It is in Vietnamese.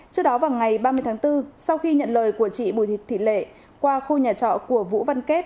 trước đó vào ngày ba mươi tháng bốn sau khi nhận lời của chị bùi thị lệ qua khu nhà trọ của vũ văn kết